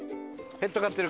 ペット飼ってる。